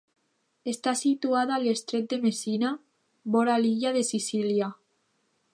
Està situada a l'estret de Messina, vora l'illa de Sicília.